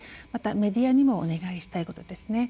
メディアにもお願いしたいことですね。